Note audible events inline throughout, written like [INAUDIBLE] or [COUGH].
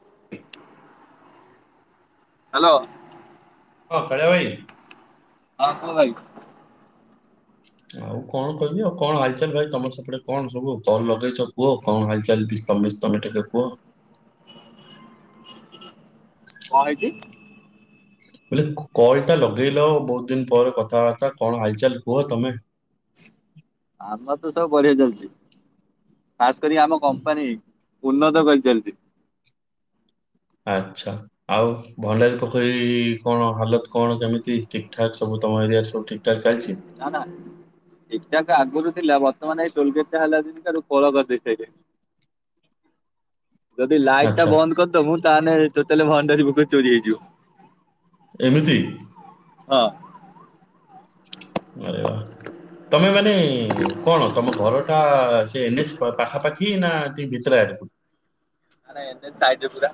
[INAUDIBLE] Hello. ହଁ କାଳିଆ ଭାଇ ହଁ କୁହ ଭାଇ। ଆଉ କଣ କହିବି, ଆଉ କଣ ହାଲଚାଲ ଭାଇ ତମର ସେପଟେ କଣ ସବୁ କର ଲଗେଇଛ କୁହ? କଣ ହାଲଚାଲ [UNINTELLIGIBLE] କୁହ। [INAUDIBLE] କଣ ହେଇଛି? ବୋଇଲେ କ-କଲ ଟା ଲଗେଇଲ, ବହୁତ ଦିନ ପରେ କଥାବାର୍ତ୍ତା କଣ ହାଲଚାଲ କୁହ ତମେ? [INAUDIBLE] ଆମର ତ ସବୁ ବଢିଆ ଚାଲିଛି। ଖାସ କରି ଆମ କମ୍ପାନୀ ଉନ୍ନତ କରି ଚାଲିଚି। ଆଚ୍ଛା। ଆଉ ଭଣ୍ଡାରୀ ପୋଖରୀ କଣ ହାଲତ କଣ କେମିତି ଠିକ ଠାକ ସବୁ ତମ ଏରିଆରେ ସବୁ ଠିକ୍ ଠାକ୍ ନା ନା ଏଟାକ ଆଗରୁ ଥିଲା, ବର୍ତ୍ତମାନ ଏଇ ଟୋଲଗେଟ ଟା ହେଲା ଦିନୁ ଠାରୁ ଖୋଳ କରିଦେଇ ସାଇଲେଇ। ଯଦି ଲାଇଟ୍ ଟା ଆଚ୍ଛା ବନ୍ଦ କରିଦମୁ ତାହେଲେ ଟୋଟାଲି ଭଣ୍ଡାରୀପୋଖରୀ ଚୋରି ହେଇଯିବ। ଏମିତି? ହଁ। ଆରେ ବା। ତମେ ମାନେ କଣ ତମ ଘର ଟା ସେ ଏନ୍ ଏଚ୍ ପାଖାପାଖି ନା ଟିକେ ଭିତର ଆଡକୁ? ଆରେ ଏବେ ସାଇଟ୍ ପୁରା।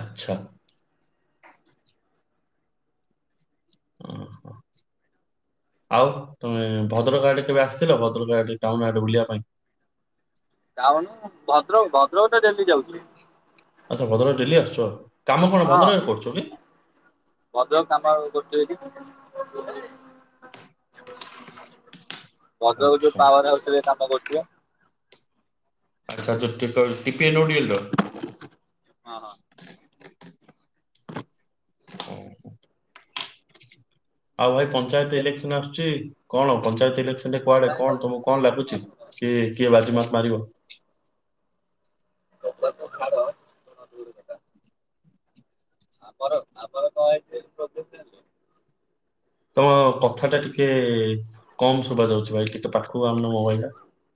ଆଚ୍ଛା। ଅଁ, [INAUDIBLE] ଆଉ ତୁମେ ଭଦ୍ରକ ଆଡେ କେବେ ଆସିଥିଲ? ଭଦ୍ରକ ଆଡ଼େ ଟାଉନ ଆଡେ ବୁଲିବା ପାଇଁ। ଟାଉନୁ, ଭଦ୍ରକ ଭଦ୍ରକ ତ ଡେଲି ଯାଉଛି। ଆଚ୍ଛା ଭଦ୍ରକ ଡେଲି ଆସୁଛ? କାମ କଣ ହଁ ଭଦ୍ରକରେ କରୁଛ କି ଭଦ୍ରକ ଆମର ଗୋଟେ ଯେ କି ଭଦ୍ରକ ଯୋଉ ଆଚ୍ଛା ପାୱାର ହାଉସ୍ ରେ କାମ କରୁଚି ବା। ଆଚ୍ଛା ହଉ ଯୋଉ ହଁ [UNINTELLIGIBLE] [INAUDIBLE] ଆଉ ଭାଇ ପଞ୍ଚାୟତ ହଁ। ଇଲେକ୍ସନ ଆସୁଛି। କଣ ପଞ୍ଚାୟତ ଇଲେକ୍ସନ ରେ କୁଆଡେ କଣ ତମକୁ କଣ ଲାଗୁଚି? କିଏ କିଏ ବାଜି ମାତ୍ ମାରିବ? ସେକଥା ଛାଡ଼ [UNINTELLIGIBLE] ଆ ପର ଆ ପର ତମ [UNINTELLIGIBLE] ତମ କଥା ଟା ଟିକେ କମ ଶୁଭା ଯାଉଛି ଭାଇ। ଟିକେ ପାଖକୁ ଆଣୁନ ମୋବାଇଲଟା।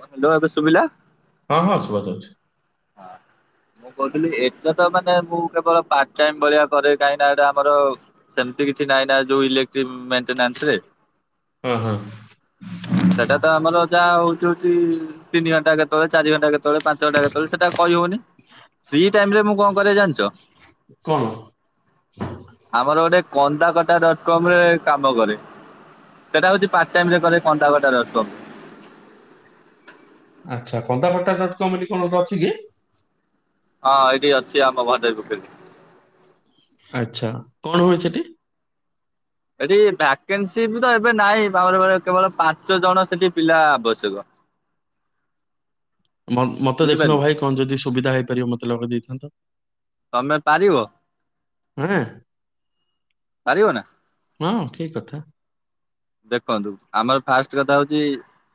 ହ୍ୟାଲୋ ଏବେ ଶୁଭିଲା? ହଁ ହଁ ଶୁଭାଯାଉଛି। ହଁ। ମୁଁ କହୁଥିଲି ଏଟା ତ ମାନେ ମୁଁ କେବଳ ପାର୍ଟ ଟାଇମ୍ ଭଳିଆ କରେ କାହିଁକି ନା ଏଇଟା ଆମର ସେଲ୍ ତ କିଛି ନାଇନା ଯୋଉ ଇ ଯୋଉ ମେଣ୍ଟେନାସ ରେ ହଁ ହଁ ସେଟା ତ ଆମର ଯାହା ହଉଛି ହଉଛି ତିନି ଘଣ୍ଟା କେତେବେଳେ ଚାରି ଘଣ୍ଟା କେତେବେଳେ ପାଞ୍ଚ ଘଣ୍ଟା କେତେବେଳେ ସେଟା କହିହଉନି। ଏଇ ଟାଇମ ରେ ମୁଁ କଣ କରେ ଜାଣିଚ। କଣ ଆମର ଗୋଟେ କନ୍ଦାକଟା ଡଟକମ୍ ରେ କାମକରେ, ସେଟା ହଉଛି ପାର୍ଟାଇମରେ କରେ। କନ୍ଦାକଟା ଡ଼ଟ୍ କମ୍ ଆଚ୍ଛା କନ୍ଦାକଟା ଡଟ୍ କମ୍ ବୋଲି କଣ ଗୋଟେ ଅଛିକି। ହଁ ଏଇଟି ଅଛି ଆମ [UNINTELLIGIBLE] ଗୁଟେ ଆଚ୍ଛା କଣ ହୁଏ ସେଠି ଏଠି ଭକେନ୍ସିତ ଏବେ ନାହିଁ [UNINTELLIGIBLE] କେବଳ ପାଞ୍ଚ ଜଣ ସେଠି ପିଲା ଆବଶ୍ୟକ। [INAUDIBLE] ମ ମତେ ଦେଖୁନ ବୁଝିପାରିଲେ ଭାଇ କଣଯଦି ସୁବିଧା ହେଇପାରିବ ମତେ ଲଗେଇଦେଇଥାନ୍ତ। ତମେ ପାରିବ ଆଁ ପାରିବନା ହଁ ଠିକକଥା ଦେଖନ୍ତୁ, ଆମର ଫାଷ୍ଟକଥା ହଉଛି,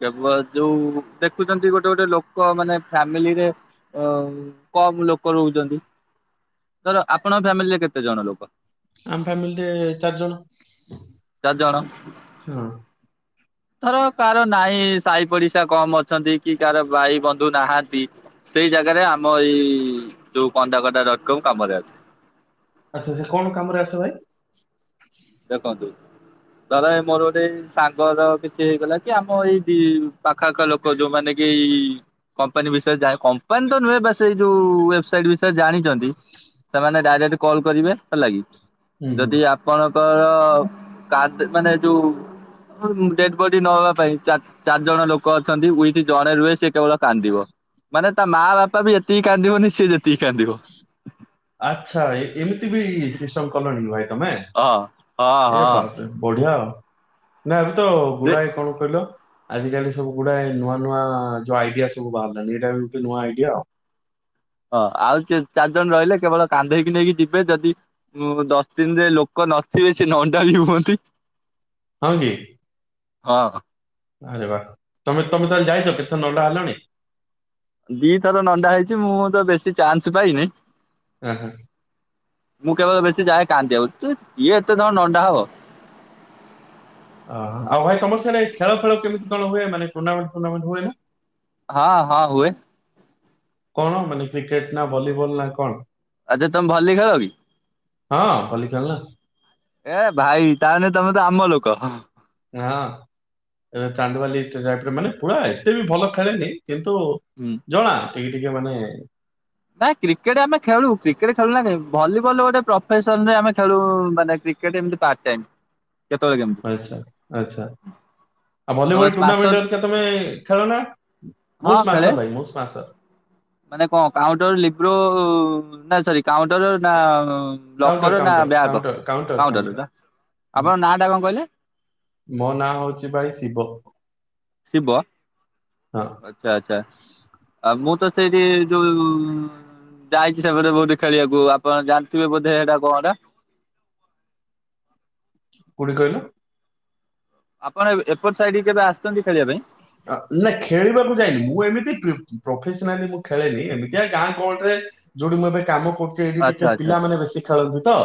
କେବଳ ଯୋଉ ଦେଖୁଛନ୍ତି ଗୋଟେଗୋଟେ ଲୋକ ମାନେ ଫାମିଲିରେ କମଲୋକ ରହୁଛନ୍ତି ଧର, ଆପଣଙ୍କ ଫ୍ୟାମିଲିରେ କେତେଜଣ ଲୋକ? ଆମ ଫ୍ୟାମିଲୀରେ ଚାରିଜଣ ଚାରି ଜଣ ହଁ ଧର କାହାରନାହିଁ ସାହିପଡିଶା କମ ଅଛନ୍ତି କି କାହାର ଭାଇବନ୍ଧୁ ନାହାନ୍ତି। ସେଇ ଜାଗାରେ ଆମ ଏଇ ଯୋଉ କନ୍ଦାକଟା ଡ଼ଟ୍ କମ୍ କାମରେ ଆସେ। ଆଚ୍ଛା ସେ କଣକାମରେ ଆସେଭାଇ। ଦେଖନ୍ତୁ ଧର ଏ ମୋର ଗୋଟେ ସାଙ୍ଗର କିଛି ହେଇଗଲା କି ଆମ ଏଇ ପାଖଆଖ ଲୋକ ଯୋଉମାନେ କି କପାନୀ ବିଷୟରେ ଜା--କମ୍ପାନୀ ତ ନୁହେଁ ବା ସେଇଯୋଉ ୱେବସାଇଟ୍ ବିଷୟରେ ଜାଣି ଯଦି, ସେମାନେ ଡାଇରେକ୍ଟ କଲ କରିବେ ହେଲାକି ହୁଁ ହୁଁ ଯଦି ଆପଣଙ୍କର କା ମାନେଯୋଉ ଡେଡବଡି ନବାପାଇଁ ଚା ଚାରି ଜଣ ଲୋକ ଅଛନ୍ତି ଉଇଥି ଜଣେ ରୁହେ ସେ କେବଳକାନ୍ଦିବ, ମାନେ ତା ମା ବାପା ବି ଏତିକି କାନ୍ଦିବନି ସିଏ ଯେତିକି କାନ୍ଦିବ। ଆଚ୍ଛା, ଏମିତି ବି ସିଷ୍ଟମ କଲଣିି ଭାଇ। ତମେ, ହଁ ହଁ ଏ ହଁ ବାପରେ ବଢିଆ ନା ଏବେତ, ସେ ଗୁଢାଏ କଣ କହିଲ ଆଜିକାଲି ସବୁ ଗୁଡାଏ ନୂଆନୂଆ ଯୋଉ ଆଇଡିଆ ସବୁ ବାହାରିଲାଣିି, ଏଇଟାବି ଗୋଟେ ନୂଆଆଇଡିଆ ଆଉ। ହଁ, ଆଉ ଚାରିଜଣ ରହିଲେ କେବଳ କାନ୍ଧେଇକି ନେଇକି ଜି ବେ ଯଦି, ଦଶଦିନରେ ଲୋକ ନଥିବେ ସେ ନଣ୍ଡାବି ହୁଅନ୍ତି। ହଁ କି ହଁ ଆରେ ବା, ତମେତମେ ତାହେଲେ ଯାଇଚ କେତେଥର ନଣ୍ଡାହେଲଣି। ଦିଥର ନଣ୍ଡା ହେଇଛି ମୁଁ ତ ବେଶୀ ଚାନ୍ସ ପାଇନି। ହୁଁ ହୁଁ ମୁଁ କେବଳ ବେଶୀଯାଏ କାନ୍ଦିବାକୁ, ତୁ କିଏ ଏତେଥର ନଣ୍ଡାହବ। ଓ, ଆଉ ଭାଇ ତମର ସିଆଡେ ଖେଳଫେଳ କେମିତିକଣ ହୁଏ, ମାନେ ଟୁର୍ଣ୍ଣାମେଣ୍ଟଫୂର୍ନାମେଣ୍ଟ ହୁଏନା। ହଁ ହଁ ହୁଏ କଣ, ମାନେ କ୍ରିକେଟ ନା ଭଲିବଲ ନା କଣ? ଆଚ୍ଛା, ତମେ ଭଲି ଖେଳ କି? ହଁ ଭଲି ଖେଳନା ଏ ଭାଇ ତାହଲେ ତମେତ ଆମଲୋକ। ହଁ ଚାନ୍ଦବାଲି [UNINTELLIGIBLE] ମାନେ ପୁରା ଏତେବି ଭଲଖେଳେନି। କିନ୍ତୁ, ହୁଁ ଜଣା ଟିକେଟିକେ ମାନେ ନାଇଁ କ୍ରିକେଟ ଆମେ ଖେଳୁ, କ୍ରିକେଟ ଖେଳୁନା କାଇଁ, ଭଲିବଲ ଗୋଟେ ପ୍ରଫେସନରେ ଆମେ ଖେଳୁ ମାନେ କ୍ରି କ୍ରିକେଟ ଏମତି ପାର୍ଟପାଇମ୍। ଆଚ୍ଛା, ଆଚ୍ଛା। ଆଉ ତମେ ଭଲିବଲ ସ୍ମାସର ଟୁର୍ଣ୍ଣାମେଣ୍ଟ ତମେ ଖେଳନା, ମୁଁ ସ୍ମାସ ଭାଇ ମୁଁ ସ୍ମାସ ମାନେକଣ କାଉଟର, ଲିବ୍ରୋ ନା ସରି କାଉଣ୍ଟର ନା ଲକର ନା ବ୍ୟାଗ, କାଉଣ୍ଟର ଆପଣ ନା ଟା କଣ କହିଲେ? ମୋ ନାଁ ହଉଛି ଭାଇ ଶିବ। ଶିବ ହଁ ଆଚ୍ଛା ଆଚ୍ଛା ଆଉ ମୁଁ ତ ସେଇଠି ଯୋଉ ଯାଇଛି ସେପଟେ ବହୁତ ଖେଳିବାକୁ। ଆପଣ ଜାଣିଥିବେ ବୋଧେ ଏଟା କଣ ଟା? କୋଉଠି କହିଲ? ଆପଣ ଏପଟ ସାଇଡ କେବେ ଆସିଛନ୍ତି? ଖେଳିବା ପାଇଁ ନା ଖେଳିବାକୁ ଯାଇନି ମୁଁ ଏମିତି ପ୍ରଫେସନାଲି ମୁଁ ଖେଳେନି ଏମିତିଆ ଗାଁ କଳରେ ଯୋଉଠି ମୁଁ ଏବେ କାମ ଏଇଠି ଆଚ୍ଛା ଟିକେ ଆଚ୍ଛା ଆଚ୍ଛା ପିଲାମାନେେ ବେଶୀ ଖେଳନ୍ତି ତ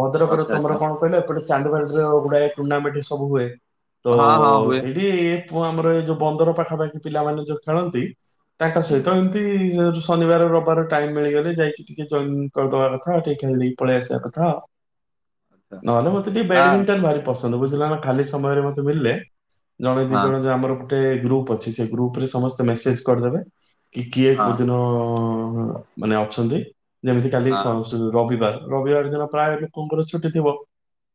ଭଦ୍ରକରେ ଆଚ୍ଛା ତମର ଆଚ୍ଛା କଣ କହିଲ ଏପଟେ ଚାଡି ଗୁଡା ଟୁର୍ଣ୍ଣାମେଣ୍ଟ ସବୁ ହୁଏ ତ ହଁ ହଁ ହୁଏ ସେଇଠି ଆମର ଯୋଉ ବନ୍ଦର ପାଖାପାଖି ପିଲାମାନେ ଯୋଉ ଖେଳନ୍ତି ତାଙ୍କ ସହିତ ଏମିତି ଶନିବାର ରବିବାର ଟାଇମ ମିଳିଗଲେ ଯାଇକି ଟିକେ ଜଏନ କରିଦବା କଥାଉ ଟିକେ ଖେିକି ପଳେଇ ଆସିବା କଥା। [INAUDIBLE] ନହେଲେ ମତେ ଟିକେ ହଁ ବ୍ୟାଡମିଣ୍ଟନ ଭାରି ପସନ୍ଦ ବୁଝିଲା ନା ଖାଲି ସମୟରେ ମତେ ଭିଡିଲେ ହଁ ଜଣେ ଆମର ଗୋଟେ ଗ୍ରୁପ ଅଛି ସେ ଗ୍ରୁପ ରେ ସମସ୍ତେ ମେସେଜ କରିଦେବେ। କି କିଏ ହଁ କୋଉଦିନ ମାନେ ଅଛନ୍ତି ଯେମିତି କାଲି ହଁ ରବିବାର। ରବିବାର ଦିନ ପ୍ରାୟ ଲୋକଙ୍କର ଛୁଟି ଥିବ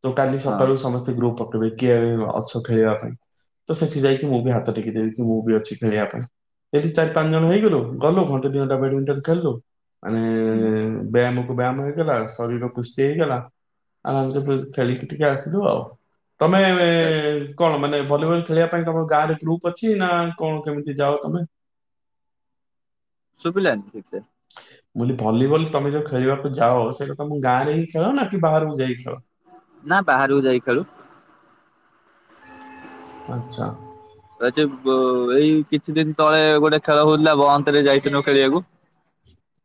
ତ କାଲି ହଁ ସକାଳୁ ସମସ୍ତେ ଗ୍ରୁପ କିଏ ଅଛ ଖେଳିବା ପାଇଁ? ତ ସେଠି ଯାଇକି ମୁଁ ବି ହାତ ଟେକି ଦେବି ମୁଁ ବି ଅଛି ଖେଳିବା ପାଇଁ। ଏଇଠି ଚାରି ପାଞ୍ଚ ଜଣ ହେଇଗଲୁ ଗଲୁ ଘଣ୍ଟେ ଦୁଇ ଘଣ୍ଟା ବ୍ୟାଡମିଣ୍ଟନ ଖେଳିଲୁ ମାନେ ହୁଁ ବେୟାମ ବ୍ୟାୟାମ ହେଇଗଲା ଶରୀର କୁଷ୍ ହେଇଗଲା ଆମେ ଆମେ ସେ ଖେଳିକି ଟିକେ ଆସିଲୁ ଆଉ। ତମେ ଆଚ୍ଛା ଆଚ୍ଛା କଣ ମାନେ ଭଲିବଲ ଖେଳିବା ପାଇଁ ତମର ଗା ଗ୍ରୁପ ଅଛି ନା କଣ କେମିତି ଯାଅ ତମେ? ଶୁଵିଲାନି [UNINTELLIGIBLE] ମୁଁ ଲିଭଲିବଲ୍ ତମେ ଯଉ ଖେଳିବାକୁ ଯାଅ ସେଇଟା ତମ ଗାଁ ରେ ହିଁ ଖେଳ ନା କି ବାହାରକୁ ଯାଇ ଖେଳ? ନା ବାହାରକୁ ଯାଇ ଖାଳୁ। ଆଚ୍ଛା। ଏଛି ଵ ଏଇ କିଛି ଦିନ ତଳେ ଗୋଟେ ଖେଳ ହଉଚି ଲା ବଅନ୍ତରେ ଯାଇଥିଲୁ ଖେଳିବାକୁ।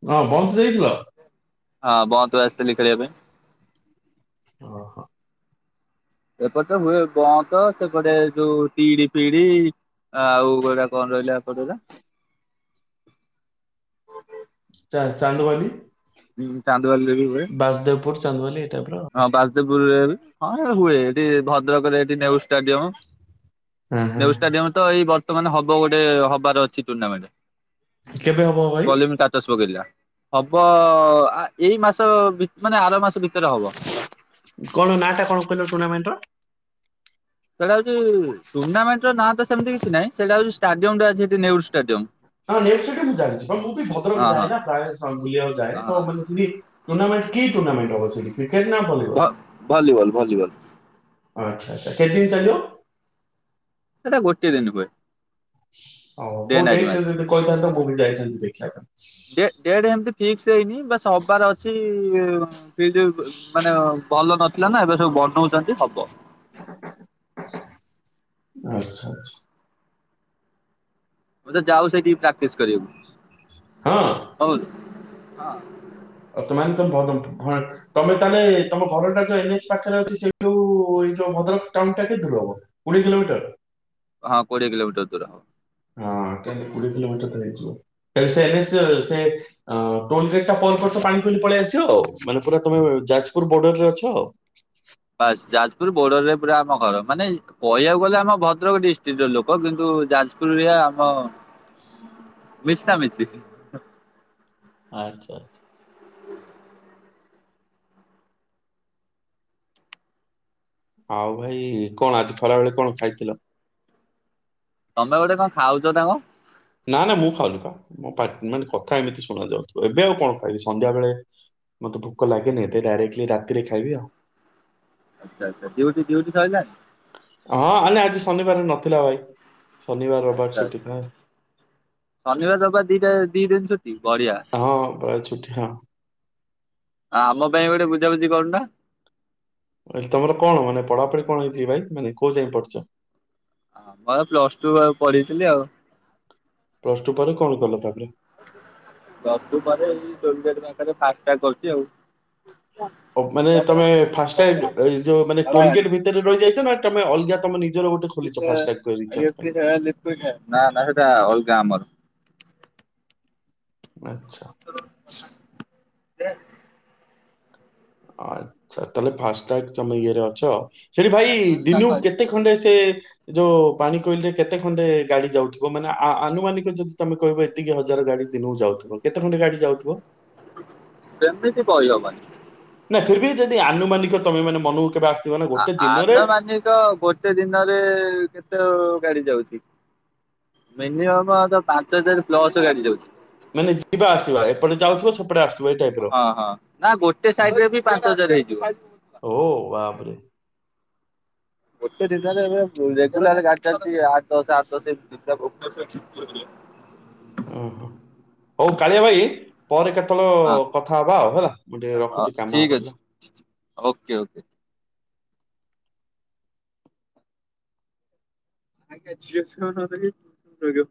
ହଁ ବନ୍ଦ ଯାଇଥିଲ? ହଁ ବହୁତ ବସ୍ତ ଲିଖରେବେ ଓ ହୋ। ଏପଟେ ତ ହୁଏ ବ ତ ସେପଟେ ଯୋଉ ଟିଡି ଫିଡି ଆଉ କୋଉଟା କଣ ରହିଲା ଏଇପଟଟା ଚା ଚାନ୍ଦବାଲି। ଚାନ୍ଦବାଲିରେ ବି ହୁଏ। ଚାନ୍ଦବାଲିରେ। ହଁ ବାଜଦେପୁରରେ ହଁ ହୁଏ ଏଠି ଭଦ୍ରକରେ ଏଠି ନେହେରୁଙ୍ ଷ୍ଟାଡିୟମ। ହଁ ନେହେରୁ ଷ୍ଟାଡିୟମରେ ତ ଏଇ ବର୍ତ୍ତମାନ ହବ ଗୋଟେ ହବାର ଅଛି ଟୁର୍ଣ୍ଣାମେଣ୍ଟ। କେବେ ହବ ଭାଇ? କଲେମ ଷ୍ଟାଟସ ପକେଇ ଥିଲା। ହବ ଏଇ ମାସ ମାନେ ଆର ମାସ ଭିତରେ ହବ। କଣ ନାଟା କଣ କହିଲ ଟୁର୍ଣାମେଣ୍ଟର? ସେଇଟା ହଉଛି ଟୁର୍ଣ୍ଣାମେଣ୍ଟର ନାଁ ତ ସେମିତି କିଛି ନାହିଁ ସେଇଟା ହଉ ଷ୍ଟାଡିୟମ ଟା ଅଛି ସେଠି ନେହେରୁ ଷ୍ଟାଡିୟମ। ନା ମୁଁ ଜାଣିଛି ମୁଁ ବି ଭଦ୍ରକ ହଁ ହଁ ଯାଏ ନା ପ୍ରାୟ ବୁଲିବାକୁ ଯାଏ ତ ହଁ ମାନେ ଟୁଣ୍ଣାମେଣ୍ଟ କି ଟୁର୍ଣାମେଟ ଅବ ଭ ଭଲିବଲ ଭଲିବଲ। ଆଚ୍ଛା ଆଛା କେତଦିନ ଚାଲିବ? ସେଇଟା ଗୋଟିଏ ଦିନ ହୁଏ। ଓ ଡେ କୋଉ ନାଇଟ୍ ଡଟ୍ ରେ ମ୍ୟାଚ। ଯଦି କହିଥାନ୍ତତା କୋଉଠି ଯାଇଥାନ୍ତନ୍ତି ଦେଖିବା ପାଇଁ। ସେଇନି ବା ହବାର ଅଛି ଫ୍ରିଲଡ ମାନେ ଭଲ ନଥିଲା ନା ଏବେ ସବୁ ବନ ପ୍ରଧନ୍ତ ହେବ। ଆଛା ଆଛା। ହ ତ ଯାଉ ସେଇଠି ପ୍ରେକ୍ଟିସ କରିବାକୁ। ହଁ। ହଁ। ଆ ତମ ତମ ବଦ ହଁ ତମେ ତାହେଲେ ତମ ଘରଟା ଯୋଉ ଏ ଏଚ ପାଖରେ ଅଛି ସେଇଠୁ ଭଦ୍ରକ ଟାଉନ ଟା କେ ଦୂର ହବ କୋଡିଏ କିଲୋମିଟର। ହଁ କୋଡିଏ କିଲୋମିଟର ଦୂର ହବ। ହଁ କଲେ କୋଡିଏ କିଲୋମିଟର ତ ହେଇଯିବ। ତାଲେ ସେ ଟୋଲଗେଟ ଟା ପର ପାଣି ଖୁଲି ପଳେଇ ଆସିବ ଆଉ ମାନେ ପୁରା ତମେ ଯାଜପୁର ବର୍ଡର ରେ ଅଛ ଆଉ। ବାସ ଯା ଯାଜପୁର ବୋର୍ଡରରେ ପୁରା ଆମ ଘର ମାନେ କହିବାକୁ ଗଲେ ଆମ ଭଦ୍ରକ ଡିଷ୍ଟ୍ରିକଟ ର ଲୋକ କିନ୍ତୁ ଯାଜପୁରରେ ଆମ [INAUDIBLE] ମିଶା ମିସି ଆଚ୍ଛା ଆଛା। ଆଉ ଭାଇ କଣ ଆଜି ଖଲାବେଳେ କଣ ଖାଇଥିଲ। ତମେ ଗୋଟେ କଣ ଖାଉଛ ନା କଣ। ନା ନା ମୁଁ ଖାଉନୁ କ ମୋ ମାନେ କଥା ଏମିତି ଶୁଣ ଯାଉଥ ଏବେ ଆଉ କଣ ଖାଇବି ସନ୍ଧ୍ୟାବେଳେ ମତେ ଭୋକ ଲାଗେନି ଏତେ ଡାଇରେକ୍ଟଲି ରାତିରେ ଖାଇବି ଆଉ। ଆଚ୍ଛା ଆଚ୍ଛା ଡିଉଟି ଡିଉଟି ସାଇଲାନି। ହଁ ଆଲେ ଆଜି ଶନିବାର ନଥିଲା ଭାଇ ଶନିବାର ରବାରଟ ଆଚ୍ଛା ଛୁଟି ଥାଏ। ଶନିବାର ରବିବାର ଦି ଦିନ ଛୁଟି ବଢିଆ। ହଁ ପ୍ରାୟ ଛୁଟି ହଁ। ଆ ଆମ ପାଇଁ ଗୋଟେ ବୁଝାବୁଝି କରୁନା। ତମର କଣ ମାନେ ପଢାପଢି କଣ ହେଇଛିିବ ଭାଇ ମାନେ କୋଉ ଯାଇ ପଢିଛ। ମୁର ପ୍ଲସଟୁ ପଢିଥିଲି ଆଉ। ପ୍ଲସ ଟୁ ପରେ କଣ କଲ ତାପରେ? ବାତୁ ପରେ ଟିକେଟ ନା ଫା କରୁଛି ଆଉ। ମାନେ ତମେ ଫା ଯୋଉ ମେ ଭଡା ଟୋଲ ଗେଟ୍ ଭିତରେ ରହିଯାଇଛ ନା ତମେ ଅଲଗା ତମ ନିଜର ଗୋଟେ ଖୋଲିଛ [UNINTELLIGIBLE] ଲ ନା ଫାଷ୍ଟାଗ ରିଚାର୍ଜ ପାଇଁ? ନା ସେଟା ଅଲଗା ଆମର। ଆଚ୍ଛା। ସେ ଆଚ୍ଛା ତାହେଲେ ଫାଷ୍ଟଟଗ ତମେ ଇଏରେ ଅଛ। ସେଠି ଭାଇ ଦିନୁ କେତେ ଖଣ୍ଡେ ସେ ଯୋଉ ପାଣି କୋଇଲିରେ କେତେ ଖଣ୍ଡେ ଗାଡି ଯାଉଥିବ ମାନେ, ଆନୁମାନିକ ଯଦି ତମେ କହିବ ଏତିକି ହଜାର ଗାଡି ଦିନକୁ ଯାଉଥିବ କେତେ ଖଣ୍ଡେ ଗାଡି ଯାଉଥିବ? ସେମିତି କହି ହବନି। ନା ଫିର୍ ବି ଯଦି ଆନୁମାନିକ ତମେ ମାନ ମନକୁ କେବେ ଆ ଆ-ଆନମାନିକ ଗୋଟେ ଦିନରେ କେତେ ଗାଡି ଯାଉଛି, ମିନିମମ ପାଞ୍ଚ ହଜାର ପ୍ଲସ ଗାଡି ଯାଉଛି। ମାନେ ଯିବା ଆସିବା ଏପଟେ ଯାଉଥିବ ସେପଟେ ଆସ ଟାଇପର ହଁ ହଁ। ନା ଗୋଟେ ସାଇଡ ରେ ବି ପାଞ୍ଚ ହଜାର ହେଇଯିବ। ଓ ବାପରେ। ଗୋଟେ ଦିନରେ ଏବେ ରେଗୁଲାର ଗାଡ଼ି ଚାଲିଛି ଆଠ ଦଶ ଆଠ ଦଶ ଏମତି। ହ ଓ ହୋ ହଉ କାଳିଆ ଭାଇ ପରେ କେତେବେଳେ କଥା ହବା ଆଉ ହେଲା ମୁଁ ଟିକେ ରଖିଛି କାମ ଠିକ ଅଛି ଆସିଲା। Okay okay. ଆଜ୍ଞା ଝିଅ